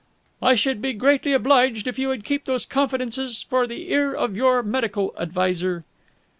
"I should be greatly obliged if you would keep those confidences for the ear of your medical adviser."